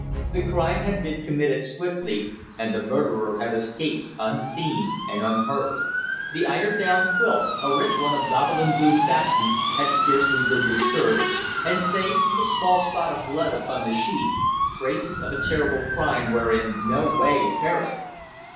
The crime had been committed swiftly, and the murderer had escaped unseen and unheard. The eider down quilt, a rich one of Gobelin blue satin, had scarcely been disturbed, and save for the small spot of blood upon the sheet, traces of a terrible crime were in no way apparent.